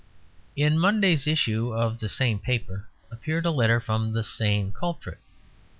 In Monday's issue of the same paper appeared a letter from the same culprit.